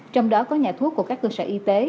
trong đó có nhà thuốc của các cơ sở y tế